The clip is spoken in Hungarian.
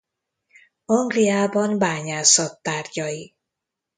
Angliában bányászat tárgyai.